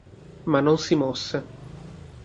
Ma non si mosse.